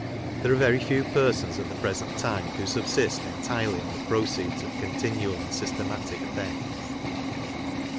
There are very few persons at the present time who subsist entirely on the pro ceeds of continual and systematic theft.